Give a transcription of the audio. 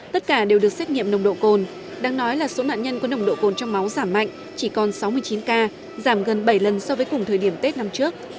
tất cả đều được xét nghiệm nồng độ cồn đang nói là số nạn nhân có nồng độ cồn trong máu giảm mạnh chỉ còn sáu mươi chín ca giảm gần bảy lần so với cùng thời điểm tết năm trước